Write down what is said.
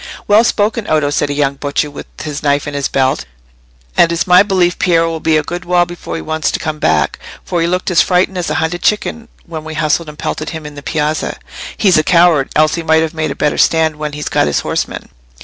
"Well spoken, Oddo," said a young butcher, with his knife at his belt; "and it's my belief Piero will be a good while before he wants to come back, for he looked as frightened as a hunted chicken, when we hustled and pelted him in the piazza. He's a coward, else he might have made a better stand when he'd got his horsemen.